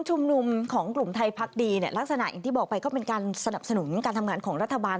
ชุมนุมของกลุ่มไทยพักดีเนี่ยลักษณะอย่างที่บอกไปก็เป็นการสนับสนุนการทำงานของรัฐบาล